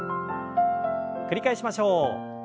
繰り返しましょう。